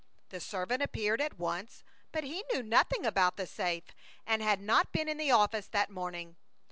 The servant appeared at once, but he knew nothing about the safe, and had not been in the office that morning.